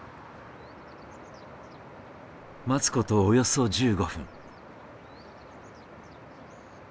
待つことおよそ１５分。